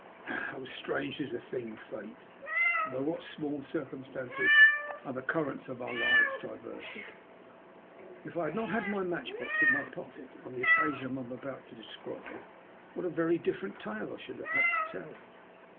How strange a thing is Fate, and by what small circumstances are the currents of our lives diverted ! If I had not had my match box in my pocket on the occasion I am about to describe, what a very different tale I should have had to tell.